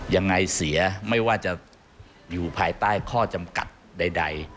ยังไงเสียไม่ว่าจะอยู่ภายใต้ข้อจำกัดใด